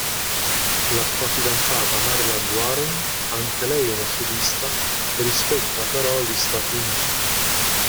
La sua fidanzata, Maryland Warren, anche lei una sudista, rispetta però gli Stati Uniti.